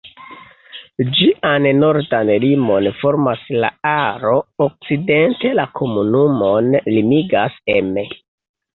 Ĝian nordan limon formas la Aro, okcidente la komunumon limigas Emme.